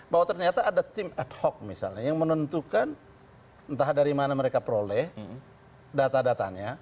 bahwa ternyata ada tim ad hoc misalnya yang menentukan entah dari mana mereka peroleh data datanya